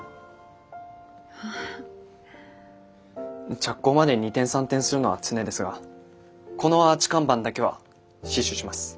着工まで二転三転するのは常ですがこのアーチ看板だけは死守します。